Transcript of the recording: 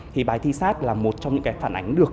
thì bài thi sát là một trong những cái phản ánh được